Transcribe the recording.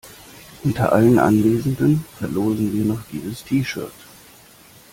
Unter allen Anwesenden verlosen wir noch dieses T-Shirt.